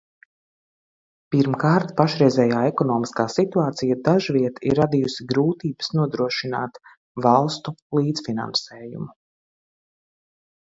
Pirmkārt, pašreizējā ekonomiskā situācija dažviet ir radījusi grūtības nodrošināt valstu līdzfinansējumu.